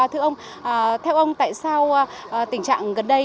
thưa ông theo ông tại sao tình trạng gần đây